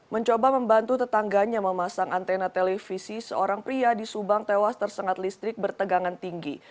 mencoba membantu tetangganya memasang antena televisi seorang pria di subang tewas tersengat listrik bertegangan tinggi